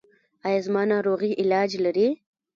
ایا زما ناروغي علاج لري؟